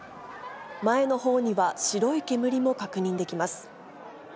前のほうには、白い煙も確認できます。